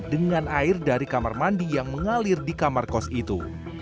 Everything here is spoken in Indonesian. dengan air dari kamar mandi yang mengalir di kamar kos itu